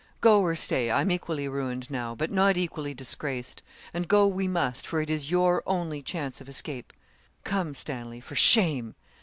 Go or stay, I'm equally ruined now, but not equally disgraced; and go we must, for it is your only chance of escape. Come, Stanley for shame!'